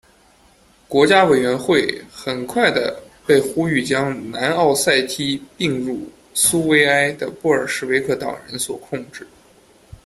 国家委员会很快的被呼吁将南奥塞梯并入苏维埃的布尔什维克党人所控制。